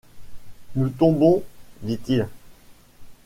Nous tombons! dit-il.